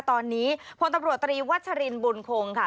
ตอนนี้พลตำรวจตรีวัชรินบุญคงค่ะ